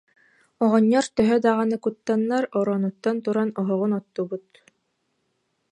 Оҕонньор төһө даҕаны куттаннар, оронуттан туран, оһоҕун оттубут